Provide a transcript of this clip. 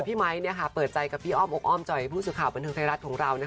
ไมค์เปิดใจกับพี่อ้อมอกอ้อมจ่อยผู้สื่อข่าวบันเทิงไทยรัฐของเรา